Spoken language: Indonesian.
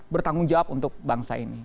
bertanggung jawab untuk bangsa ini